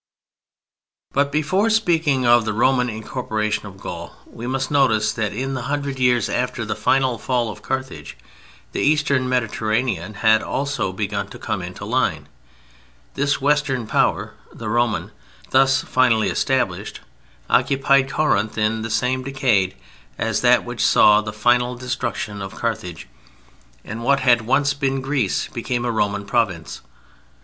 But before speaking of the Roman incorporation of Gaul we must notice that in the hundred years after the final fall of Carthage, the Eastern Mediterranean had also begun to come into line. This Western power, the Roman, thus finally established, occupied Corinth in the same decade as that which saw the final destruction of Carthage, and what had once been Greece became a Roman province.